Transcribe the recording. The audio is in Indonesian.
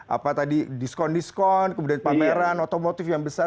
apa tadi diskon diskon kemudian pameran otomotif yang besar